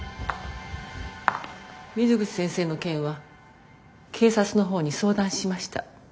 水口先生の件は警察の方に相談しました。